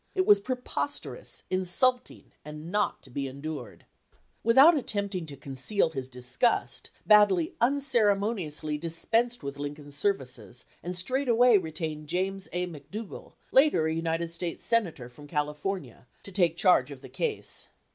It was preposterous, insulting, and not to be endured. Without attempting to conceal his disgust 80 FIRST PARTNERSHIP Baddeley unceremoniously dispensed with Lin coln's services and straightway retained James A. McDougall, later a United States senator from California, to take charge of the case.